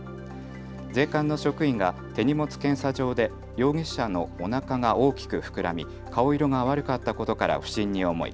税関の職員が手荷物検査場で容疑者のおなかが大きく膨らみ顔色が悪かったことから不審に思い